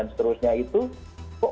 kok kayaknya tidak cukup